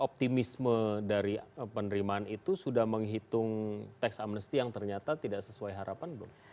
optimisme dari penerimaan itu sudah menghitung tax amnesty yang ternyata tidak sesuai harapan belum